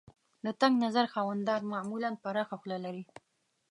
د تنګ نظر خاوندان معمولاً پراخه خوله لري.